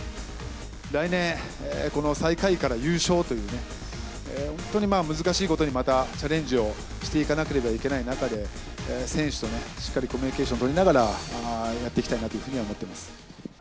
来年、この最下位から優勝というね、本当に難しいことにまたチャレンジをしていかなければいけない中で、選手としっかりコミュニケーション取りながら、やっていきたいなというふうに思ってます。